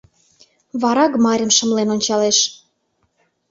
Вара Гмарьым шымлен ончалеш.